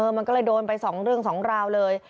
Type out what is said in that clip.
มันก็เลยโดนไป๒เรื่อง๒ราวเลย